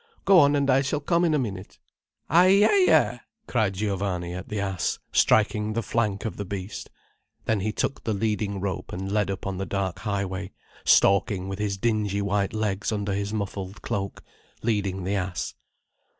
Go on, and I shall come in a minute." "Ay er er!" cried Giovanni at the ass, striking the flank of the beast. Then he took the leading rope and led up on the dark high way, stalking with his dingy white legs under his muffled cloak, leading the ass.